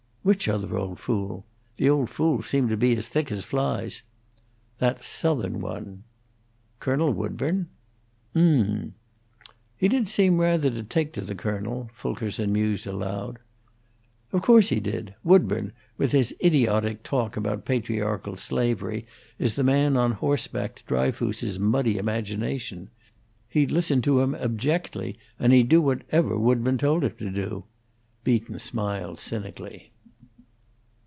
"Which other old fool? The old fools seem to be as thick as flies." "That Southern one." "Colonel Woodburn?" "Mmmmm." "He did seem to rather take to the colonel!" Fulkerson mused aloud. "Of course he did. Woodburn, with his idiotic talk about patriarchal slavery, is the man on horseback to Dryfoos's muddy imagination. He'd listen to him abjectly, and he'd do whatever Woodburn told him to do." Beaton smiled cynically.